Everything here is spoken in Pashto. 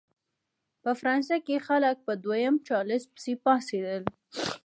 په فرانسه کې خلک په دویم چارلېز پسې پاڅېدل.